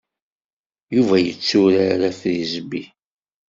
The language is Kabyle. Yuba yetturar afrizbi.